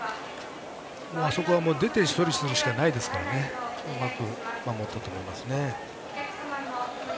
あそこは出て処理するしかないですからねうまく守ったと思います。